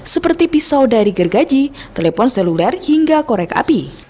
seperti pisau dari gergaji telepon seluler hingga korek api